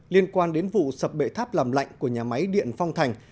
liên quan đến vụ sập bệ tháp làm lạnh của nhà máy điện phong thành